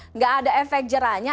nggak ada efek jeranya